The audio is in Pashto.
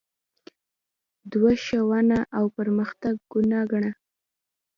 دوی ښوونه او پرمختګ ګناه ګڼله